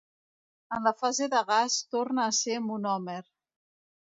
En la fase de gas torna a ser monòmer.